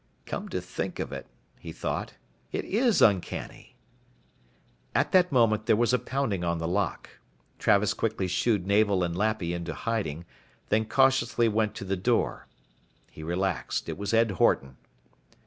Come to think of it, he thought, it is uncanny. At that moment there was a pounding on the lock. Travis quickly shooed Navel and Lappy into hiding, then cautiously went to the door. He relaxed. It was Ed Horton.